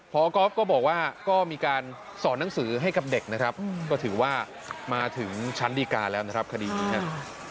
พอก๊อฟก็บอกว่าก็มีการสอนหนังสือให้กับเด็กนะครับก็ถือว่ามาถึงชั้นดีการแล้วนะครับคดีนี้ครับ